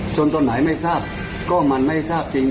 ตอนไหนไม่ทราบก็มันไม่ทราบจริง